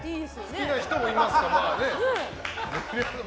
好きな人もいますか、まあね。